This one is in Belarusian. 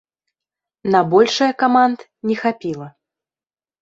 На большае каманд не хапіла.